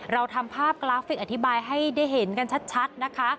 เราทำภาพกราฟิกอธิบายให้ได้เห็นกันชัดนะคะ